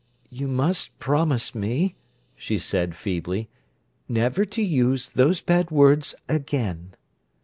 "You must promise me," she said feebly, "never to use those bad words again."